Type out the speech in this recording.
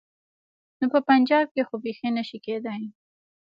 نو په پنجاب کې خو بيخي نه شي کېدای.